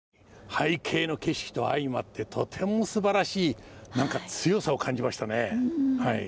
背景の景色と相まってとてもすばらしい何か強さを感じましたねはい。